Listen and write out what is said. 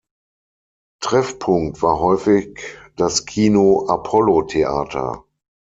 Treffpunkt war häufig das Kino „Apollo-Theater“.